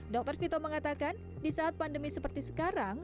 dr vito mengatakan di saat pandemi seperti sekarang